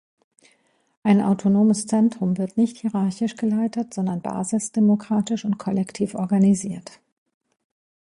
Ein autonomes Zentrum wird nicht hierarchisch geleitet, sondern basisdemokratisch und kollektiv organisiert.